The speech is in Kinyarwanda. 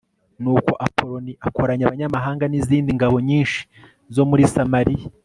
nuko apoloni akoranya abanyamahanga n'izindi ngabo nyinshi zo muri samariya